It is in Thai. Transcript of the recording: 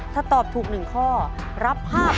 ถ้าตอบถูก๑ข้อรับ๕๐๐๐